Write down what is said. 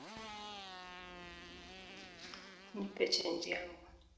Nipe chenji yangu"